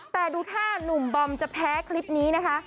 แต่ดูท่านุ่มบอมจะแพ้คลิปนี้นะคะ